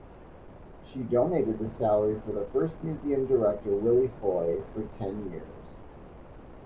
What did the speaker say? She donated the salary for the first museum director Willy Foy for ten years.